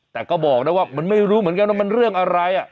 แต่ก็บอกนะว่ามันไม่รู้เหมือนกันว่ามันเรื่องอะไร